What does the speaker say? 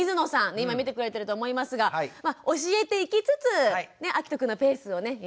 今見てくれてると思いますがまあ教えていきつつあきとくんのペースをね見守ってあげて下さい。